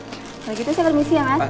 lagi terus ya permisi ya mas